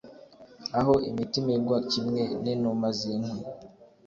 Aho imitima igwa kimwe ninuma zinkwi